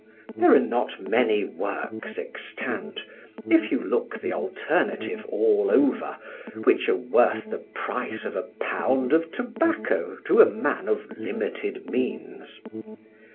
There are not many works extant, if you look the alternative all over, which are worth the price of a pound of tobacco to a man of limited means.